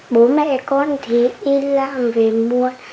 bố mẹ con thì y lạng về mua